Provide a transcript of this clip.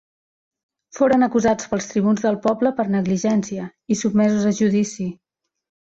Foren acusats pels tribuns del poble per negligència i sotmesos a judici.